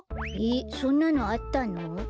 えっそんなのあったの？